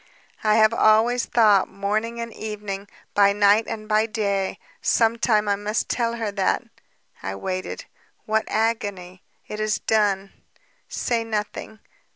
"I have always thought, morning and evening, by night and by day, 'Some time I must tell her that ...' I waited ... What agony! ... It is done. Say nothing.